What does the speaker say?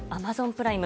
プライム。